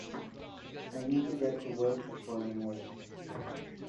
I need to get to work before I'm late.